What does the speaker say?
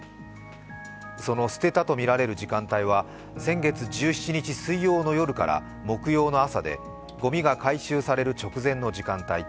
その捨てたとみられる時間帯は先月１７日水曜日の夜から木曜の朝で、ごみが回収される直前の時間帯。